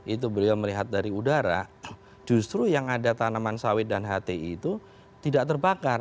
itu beliau melihat dari udara justru yang ada tanaman sawit dan hti itu tidak terbakar